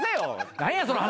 何やその話。